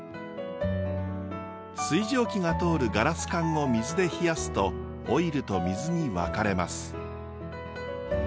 水蒸気が通るガラス管を水で冷やすとオイルと水に分かれます。